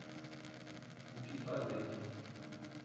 O que fazer